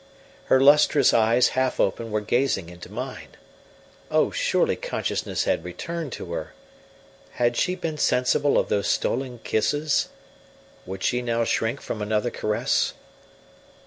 Her lustrous eyes, half open, were gazing into mine. Oh, surely consciousness had returned to her! Had she been sensible of those stolen kisses? Would she now shrink from another caress?